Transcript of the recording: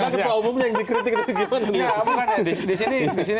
karena kita umumnya yang dikritik itu gimana nih